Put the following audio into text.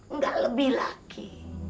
enggak lebih laki